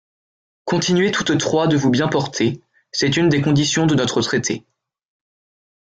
Continuez toutes trois de vous bien porter : c'est une des conditions de notre traité.